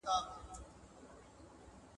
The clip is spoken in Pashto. پاکوالي د کورنۍ ارزښت ښيي.